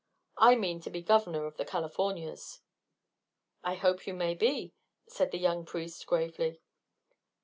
I mean to be governor of the Californias." "I hope you may be," said the young priest, gravely.